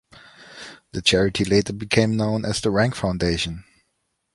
The charity later became known as The Rank Foundation.